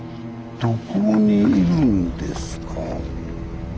どこにいるんですか。